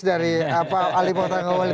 dari pak ali mohtangowali